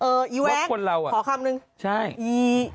เออไอ้แว็คขอคำหนึ่งอี